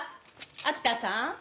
秋田さん。